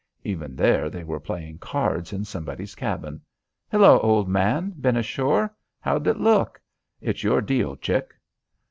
Even there they were playing cards in somebody's cabin. "Hello, old man. Been ashore? How'd it look? It's your deal, Chick."